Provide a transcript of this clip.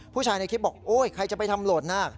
ผู้ชายในคลิปบอกโอ๊ยใครจะไปทำหล่นนะ